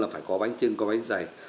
phải có bánh chưng có bánh dày